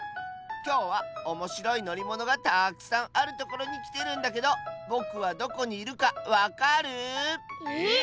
きょうはおもしろいのりものがたくさんあるところにきてるんだけどぼくはどこにいるかわかる？え？